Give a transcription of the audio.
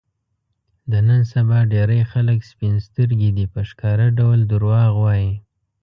د نن سبا ډېری خلک سپین سترګي دي، په ښکاره ډول دروغ وايي.